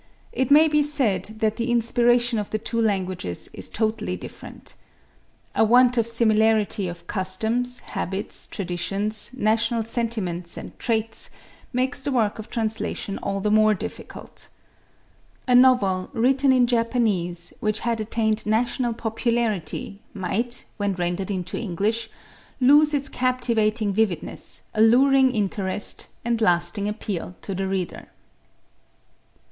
It may be said that the inspiration of the two languages is totally different. A want of similarity of customs, habits, traditions, national sentiments and traits makes the work of translation all the more difficult. A novel written in Japanese which had attained national popularity might, when rendered into English, lose its captivating vividness, alluring interest and lasting appeal to the reader.